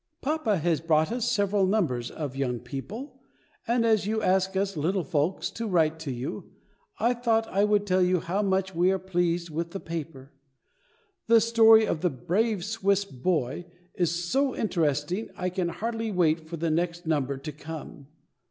Papa has brought us several numbers of Young People, and as you ask us little folks to write to you, I thought I would tell you how much we are pleased with the paper. The story of the "Brave Swiss Boy" is so interesting I can hardly wait for the next number to come.